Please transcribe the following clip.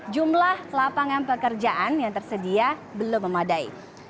jumlah lapangan pekerjaan yang tersedia belum memadai